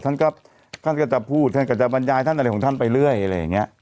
ท่านก็ท่านก็จะพูดท่านก็จะบรรยายท่านอะไรของท่านไปเรื่อยอะไรอย่างเงี้ย